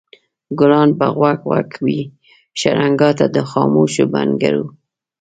ګلان به غوږ غوږ وي شرنګا ته د خاموشو بنګړو